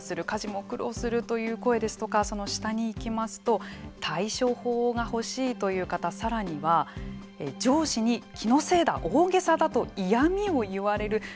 家事も苦労するという声ですとかその下に行きますと対処法が欲しいという方さらには、上司に気のせいだ、大げさだと嫌味を言われる。